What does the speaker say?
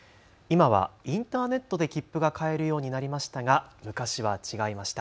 今はインターネットで切符が買えるようになりましたが昔は違いました。